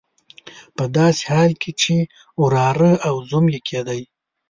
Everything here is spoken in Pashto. په داسې حال کې چې وراره او زوم یې کېدی.